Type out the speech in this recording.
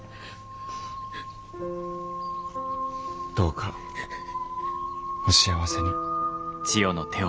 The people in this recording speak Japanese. どうかお幸せに。